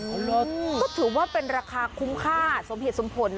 ก็ถือว่าเป็นราคาคุ้มค่าสมเหตุสมผลนะ